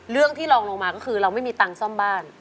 ที่ลองลงมาก็คือเราไม่มีตังค์ซ่อมบ้าน